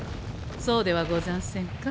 そうではござんせんか？